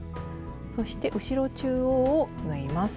そして後ろ中央を縫います。